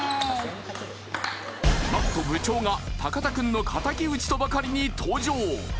何と部長が田くんの敵討ちとばかりに登場